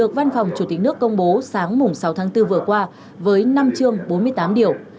của chủ tịch nước công bố sáng mùng sáu tháng bốn vừa qua với năm chương bốn mươi tám điều